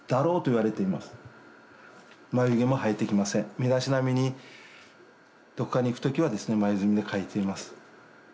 身だしなみにどこかに行く時はですね眉墨で描いています。